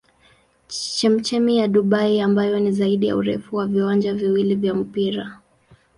Chemchemi ya Dubai ambayo ni zaidi ya urefu wa viwanja viwili vya mpira.